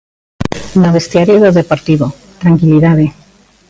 No vestiario do Deportivo, tranquilidade.